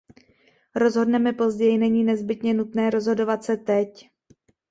Rozhodneme později, není nezbytně nutné rozhodovat se teď.